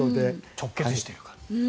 直結しているから。